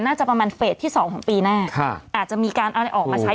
น่าจะประมาณเฟสที่สองของปีหน้าอาจจะมีการเอาอะไรออกมาใช้